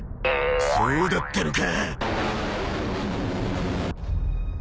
そうだったのか！